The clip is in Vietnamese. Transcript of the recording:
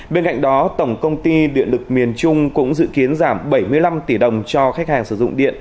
bên cạnh đó tổng công ty điện lực miền trung cũng dự kiến giảm bảy mươi năm tỷ đồng cho khách hàng sử dụng điện